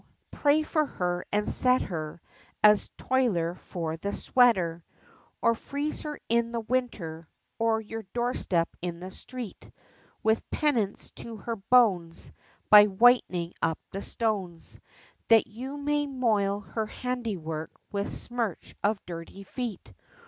pray for her, and set her, As toiler for the sweater, Or freeze her in the winter, on your doorstep in the street, With penance to her bones, By whiting up the stones, That you may moil her handiwork with smirch of dirty feet.